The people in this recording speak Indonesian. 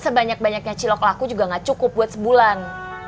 sebanyak banyaknya cilok laku juga gak cukup buat sebulan